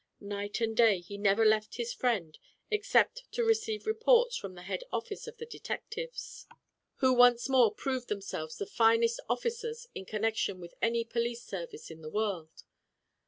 Night and day he never left his friend except to receive reports from the head office of the detectives, who once more proved themselves the finest officers in connection with any police service in the world.